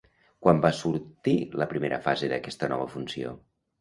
Quan va sortir la primera fase d'aquesta nova funció?